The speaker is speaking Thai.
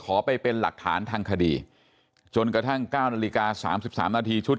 ขอไปเป็นหลักฐานทางคดีจนกระทั่ง๙นาฬิกา๓๓นาทีชุด